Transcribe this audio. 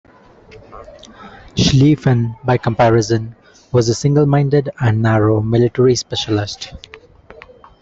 Schlieffen, by comparison, was a single-minded and narrow military specialist.